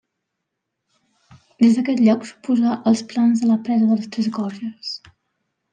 Des d'aquest lloc s'oposà als plans de la Presa de les Tres Gorges.